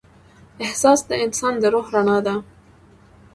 احساس د انسان د روح رڼا ده.